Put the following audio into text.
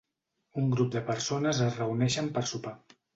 Un grup de persones es reuneixen per sopar.